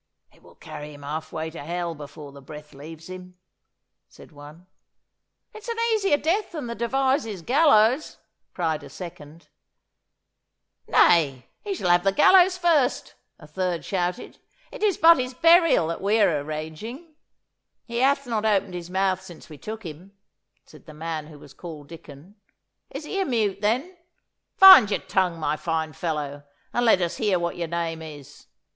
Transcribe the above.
'It will carry him half way to hell before the breath leaves him,' said one. 'It's an easier death than the Devizes gallows!' cried a second. 'Nay, he shall have the gallows first!' a third shouted. 'It is but his burial that we are arranging.' 'He hath not opened his mouth since we took him,' said the man who was called Dicon. 'Is he a mute, then? Find your tongue, my fine fellow, and let us hear what your name is.